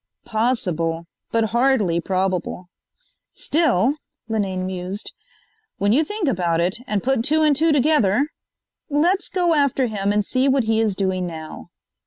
"Possible, but hardly probable. Still," Linane mused, "when you think about it, and put two and two together.... Let's go after him and see what he is doing now."